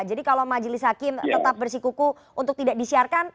jadi kalau majelis hakim tetap bersikuku untuk tidak disiarkan